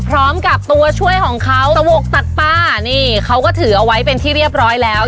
ตัวช่วยของเขาสวกตักปลานี่เขาก็ถือเอาไว้เป็นที่เรียบร้อยแล้ว